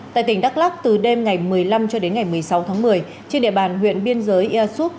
tại tỉnh đắk lắc từ đêm ngày một mươi năm cho đến ngày một mươi sáu tháng một mươi trên địa bàn huyện biên giới ia súp